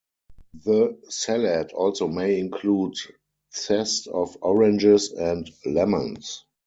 The salad also may include zest of oranges and lemons.